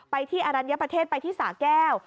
ไปที่อรัญญประเทศไปที่สาแก้ว